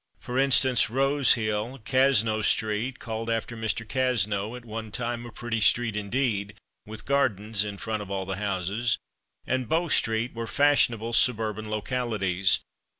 For instance, Rose hill, Cazneau street (called after Mr. Cazneau; at one time a pretty street indeed, with gardens in front of all the houses), and Beau street, were fashionable suburban localities.